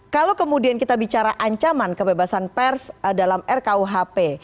kalau kemudian kita bicara ancaman kebebasan pers dalam rkuhp